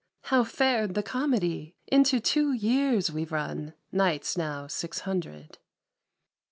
How fared the Comedy ! Into two years we've run. Nights now Six Hundred.